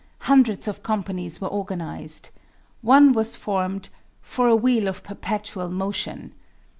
Hundreds of companies were organized. One was formed "for a wheel of perpetual motion."